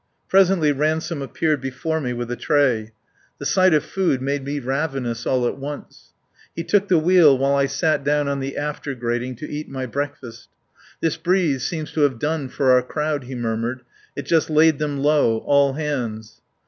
Presently Ransome appeared before me with a tray. The sight of food made me ravenous all at once. He took the wheel while I sat down of the after grating to eat my breakfast. "This breeze seems to have done for our crowd," he murmured. "It just laid them low all hands."